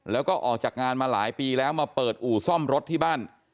แล้วก็ออกจากงานมาหลายปีแล้วมาเปิดอู่ซ่อมรถที่บ้าน